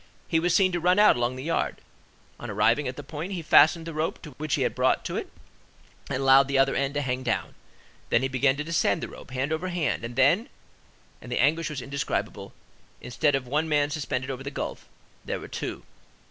He was seen to run out along the yard: on arriving at the point, he fastened the rope which he had brought to it, and allowed the other end to hang down, then he began to descend the rope, hand over hand, and then,—and the anguish was indescribable,—instead of one man suspended over the gulf, there were two.